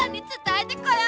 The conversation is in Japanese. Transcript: え？